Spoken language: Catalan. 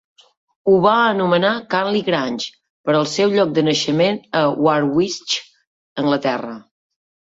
Ho va anomenar Canley Grange per el seu lloc de naixement a Warwickshire, Anglaterra.